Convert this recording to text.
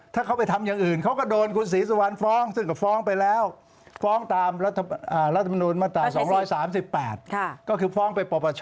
ถ้าเขาไปทำอย่างอื่นเขาก็โดนคุณศรีสำวรรค์ฟ้อง